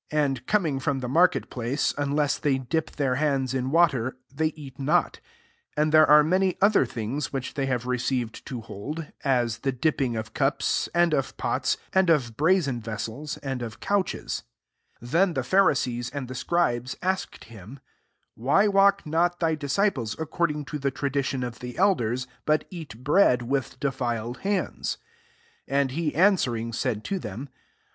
4 And coming fr6m the market place, unless they dij^ iMr h&ndsm water they eat not And there are many otl things, which they have rec^^el to hold, OB ^e dipping of cnp^ and of pots, and of brazen Te» sels, and of couches*) 5 Thei^ the Pharisees and the serUitfl asked him, <« Why walk not thp disciples according to the tn^ dition of the elders; but eat bread with defiled hands?" 6 And he answering, said ta them.